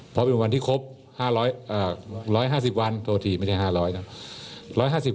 ความเป็นวันที่ครบ๑๕๐วันโทยอถี่ไม่ได้๕๐๐วันนะครับ